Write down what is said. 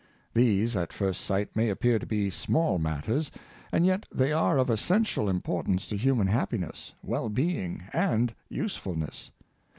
These, at first sight, may appear to be small matters ; and yet they are of essential importance to human happiness, well being, and usefulness.